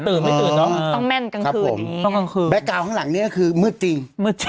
ต้องแม่นกลางคืนแบ็คกราวข้างหลังนี้คือมืดจริง